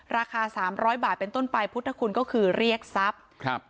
ราคาสามร้อยบาทเป็นต้นไปพุทธคุณก็คือเรียกทรัพย์ครับ